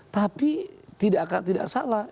tapi tidak salah